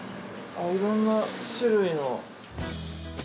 いろんな種類の。